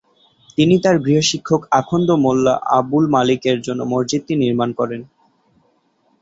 তিনি তার গৃহশিক্ষক আখন্দ মোল্লা আবুল মালিকের জন্য মসজিদটি নির্মাণ করেন।